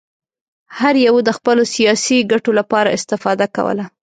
هر یوه د خپلو سیاسي ګټو لپاره استفاده کوله.